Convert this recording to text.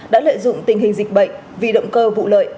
đã lợi dụng tình hình dịch bệnh vì động cơ vụ lợi